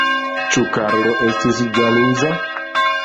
Ĉu Karlo estis ĵaluza?